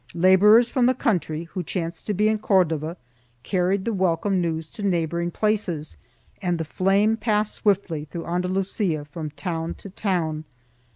1 Laborers from the country, who chanced to be in Cordova,, carried the welcome news to neighboring places and the flame passed swiftly through Andalusia from town to town.